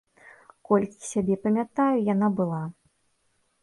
Колькі сябе памятаю, яна была.